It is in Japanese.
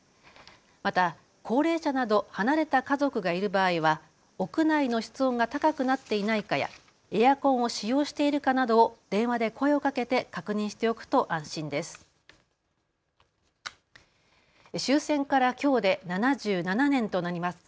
また高齢者など離れた家族がいる場合は屋内の室温が高くなっていないかやエアコンを使用しているかなどを電話で声をかけて確認しておくと安心です。